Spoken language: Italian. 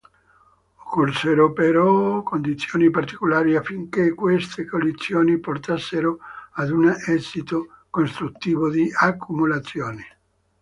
Occorsero però condizioni particolari affinché queste collisioni portassero ad un esito costruttivo di accumulazione.